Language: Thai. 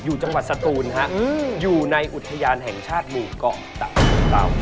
จังหวัดสตูนฮะอยู่ในอุทยานแห่งชาติหมู่เกาะตะของเรา